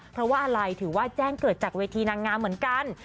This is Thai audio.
เพราะว่าอะไรถือว่าแจ้งเกิดจากเวทีนางงามเหมือนกัน